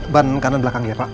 ban kanan belakang ya pak